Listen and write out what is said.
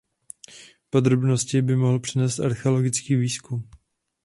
Podrobnosti by mohl přinést archeologický výzkum.